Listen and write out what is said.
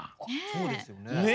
そうですね。